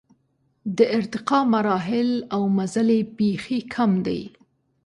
د ارتقا مراحل او مزل یې بېخي کم دی.